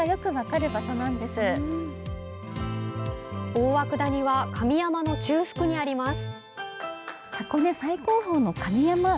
大涌谷は神山の中腹にあります。